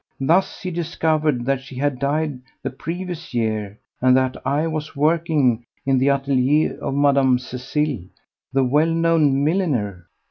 Thus, he discovered that she had died the previous year and that I was working in the atelier of Madame Cécile, the well known milliner.